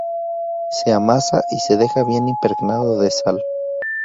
Se amasa y se deja bien impregnado de sal.